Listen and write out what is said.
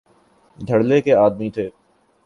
دھڑلے کے آدمی تھے۔